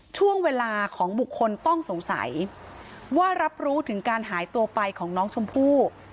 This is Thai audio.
ช่วงเวลาของบุคคลต้องสงสัยว่ารับรู้ถึงการหายตัวไปของน้องชมพู่